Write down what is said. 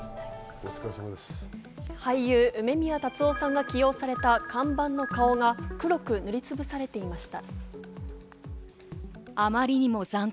俳優・梅宮辰夫さんが起用された看板の顔が黒く塗りつぶされていました。